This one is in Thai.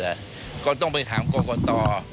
เข้าข่ายแล้วก็ต้องไปถามโกกต่อ